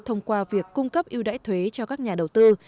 thông qua việc cung cấp ưu đãi thuế cho các nhà đầu tư